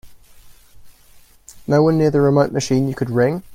No one near the remote machine you could ring?